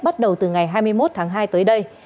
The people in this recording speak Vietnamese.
bắt đầu từ ngày hai mươi một tháng hai tới đây